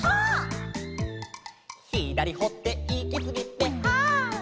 「ひだりほっていきすぎてはっ」